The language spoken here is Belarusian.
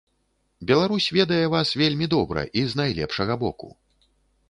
Беларусь ведае вас вельмі добра і з найлепшага боку.